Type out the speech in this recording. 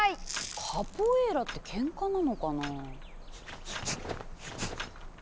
カポエイラってケンカなのかなあ？